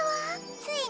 ついに？